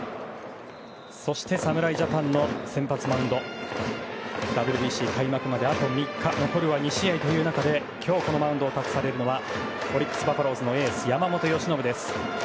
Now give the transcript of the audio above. そして侍ジャパンの先発マウンドＷＢＣ開幕まであと３日残るは２試合という中で今日、マウンドを託されたのはオリックス・バファローズのエース、山本由伸です。